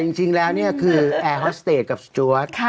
จริงแล้วนี่คือแอร์ฮอสเตจกับจวด